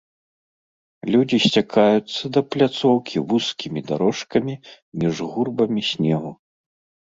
Людзі сцякаюцца да пляцоўкі вузкімі дарожкамі між гурбамі снегу.